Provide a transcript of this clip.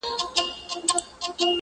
ته چي قدمونو كي چابكه سې!